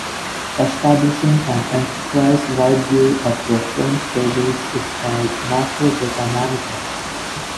Establishing an enterprise-wide view of reference tables is called master data management.